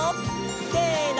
せの！